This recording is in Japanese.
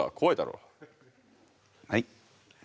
はい。